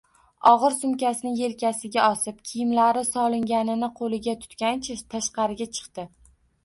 Og`ir sumkasini elkasiga osib, kiyimlari solinganini qo`liga tutgancha tashqariga chiqdi